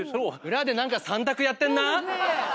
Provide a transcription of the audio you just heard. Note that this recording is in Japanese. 裏で何か３択やってんな？